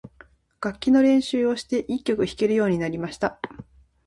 楽器の練習をして、一曲弾けるようになりました。